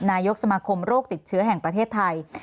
นายกสมาคมโรคติดเชื้อแห่งประเทศไทย